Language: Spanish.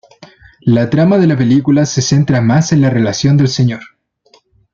La trama de la película se centra más en la relación del Sr.